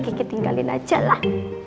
kaki tinggalin aja lah